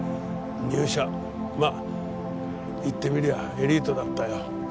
まあ言ってみりゃあエリートだったよ。